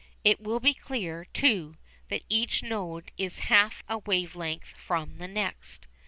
It will be clear, too, that each node is half a wave length from the next.